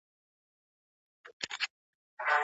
موږ بايد په کوڅې کي خپل عزت له خطره وساتو.